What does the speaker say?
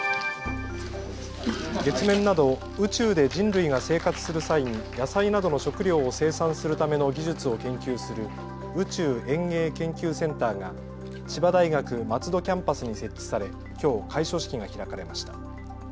月面など宇宙で人類が生活する際に野菜などの食料を生産するための技術を研究する宇宙園芸研究センターが千葉大学松戸キャンパスに設置されきょう開所式が開かれました。